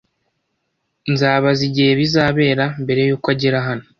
Ndabaza igihe bizabera mbere yuko agera hano.